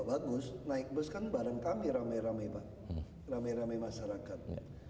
nah teman teman ahok jawabnya juga bagus naik bus kan bareng kami rame rame pak rame rame masyarakat